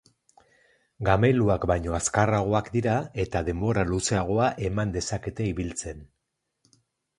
Gameluak baino azkarragoak dira eta denbora luzeagoa eman dezakete ibiltzen.